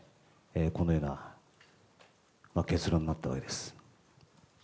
このような結論になったわけです。